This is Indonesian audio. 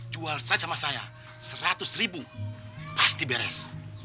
jual saja sama saya seratus ribu pasti beres